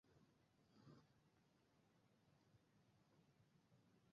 McDonald ছোট বাচ্চাদের জন্য অনেক ছবি বই লিখেছেন এবং এখনও লিখছেন।